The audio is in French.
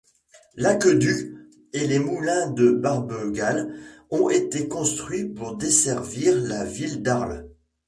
L'aqueduc et les moulins de Barbegal ont été construits pour desservir la ville d'Arles.